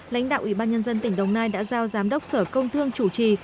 lãnh đạo ubnd tỉnh đồng nai đã giao giám đốc sở công thương chủ trì